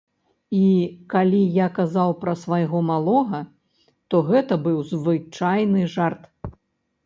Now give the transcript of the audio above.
І калі я казаў пра свайго малога, то гэта быў звычайны жарт.